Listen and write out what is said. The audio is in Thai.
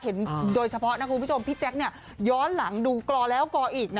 โดยเฉพาะนะคุณผู้ชมพี่แจ๊คย้อนหลังดูกลอแล้วกออีกนะ